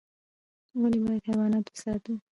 ولي بايد حيوانات وساتو؟